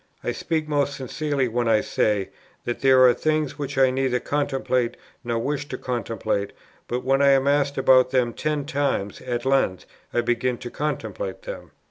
I speak most sincerely when I say, that there are things which I neither contemplate, nor wish to contemplate; but, when I am asked about them ten times, at length I begin to contemplate them.